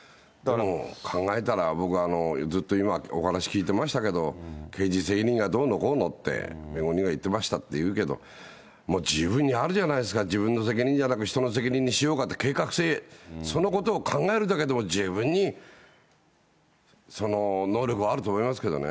考えたら、僕、ずっと今、お話し聞いてましたけど、刑事責任がどうのこうのって、弁護人が言ってましたって、自分にあるじゃないですか、自分の責任じゃなく、人の責任にしようかって、計画性、そのことを考えるだけでも十分に能力はあると思いますけどね。